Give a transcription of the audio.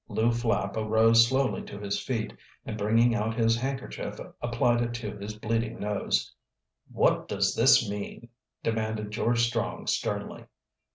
Lew Flapp arose slowly to his feet, and bringing out his handkerchief applied it to his bleeding nose. "What does this mean?" demanded George Strong sternly.